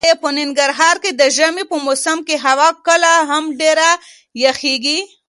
ایا په ننګرهار کې د ژمي په موسم کې هوا کله هم ډېره یخیږي؟